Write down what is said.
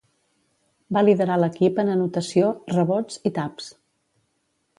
Va liderar l'equip en anotació, rebots i taps.